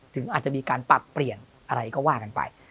อาจจะมีการปรับเปลี่ยนอะไรก็ว่ากันไป